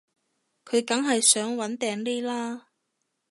佢梗係想搵掟匿喇